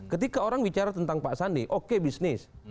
ketika orang bicara tentang pak sandi oke bisnis